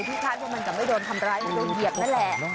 พิชาทุกคนมันจะไม่โดนทำร้ายจะโดนเกียจนั่นแหละ